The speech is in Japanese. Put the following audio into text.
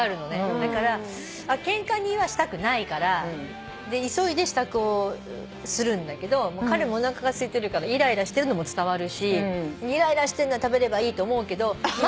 だからケンカにはしたくないから急いで支度をするんだけど彼もおなかがすいてるからいらいらしてるのも伝わるしいらいらしてるなら食べればいいと思うけど。